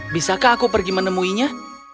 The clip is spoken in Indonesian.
bisakah aku pergi menemuinya